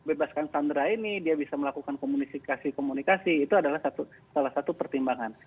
bebaskan sandra ini dia bisa melakukan komunikasi komunikasi itu adalah salah satu pertimbangan